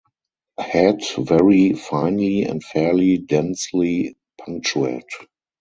Head very finely and fairly densely punctate.